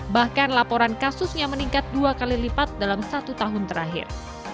bahkan laporan kasusnya meningkat dua kali lipat dalam satu tahun terakhir